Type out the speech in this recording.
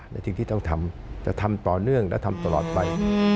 ในสิ่งที่ต้องทำจะทำต่อเนื่องและทำตลอดไป